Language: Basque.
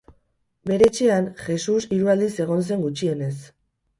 Bere etxean, Jesus hiru aldiz egon zen gutxienez.